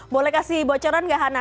boleh kasih bocoran nggak hana